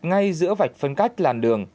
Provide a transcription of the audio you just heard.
ngay giữa vạch phân cách làn đường